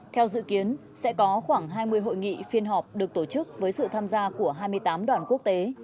theo dự kiến sẽ có khoảng hai mươi hội nghị phiên họp được tổ chức với sự tham gia của hai mươi tám đoàn quốc tế